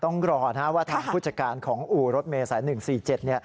ต้องรอนะว่าทางผู้จัดการของอู๋รถเมษัล๑๔๗